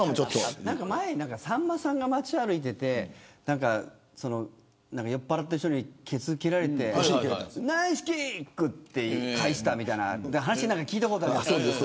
前にさんまさんが街を歩いていて酔っぱらった人にけつ蹴られてナイスキックって返したみたいな話を聞いたことあるんです。